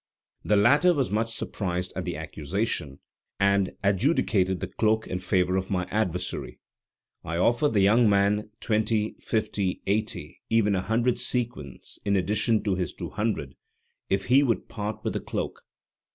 The latter was much surprised at the accusation, and adjudicated the cloak in favor of my adversary. I offered the young man twenty, fifty, eighty, even a hundred sequins in addition to his two hundred, if he would part with the cloak.